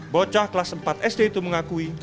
bocah kelas empat sd itu mengakui